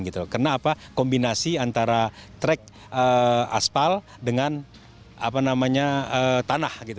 karena kombinasi antara trek aspal dengan tanah